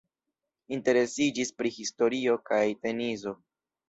Interesiĝis pri historio kaj teniso.